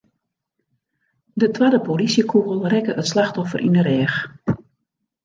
De twadde polysjekûgel rekke it slachtoffer yn 'e rêch.